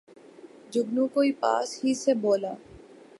جگنو کوئی پاس ہی سے بولا